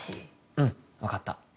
うんわかった。